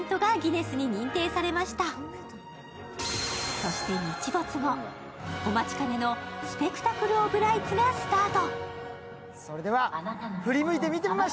そして、日没後、お待ちかねの「スペクタクル・オブ・ライツ」がスタート。